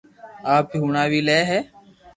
آپ ھي ھڻاو وي لي ھي